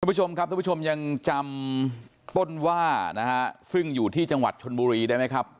ผู้ชมครับท่านผู้ชมยังจำต้นว่านะฮะซึ่งอยู่ที่จังหวัดชนบุรีได้ไหมครับ